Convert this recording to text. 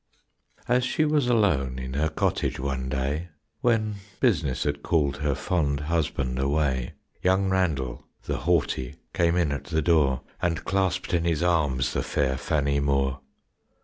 As she was alone In her cottage one day, When business had called Her fond husband away, Young Randell, the haughty, Came in at the door And clasped in his arms The fair Fannie Moore.